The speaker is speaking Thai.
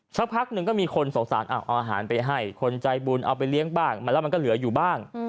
สักพักหนึ่งก็มีคนสงสารเอาอาหารไปให้คนใจบุญเอาไปเลี้ยงบ้างมาแล้วมันก็เหลืออยู่บ้าง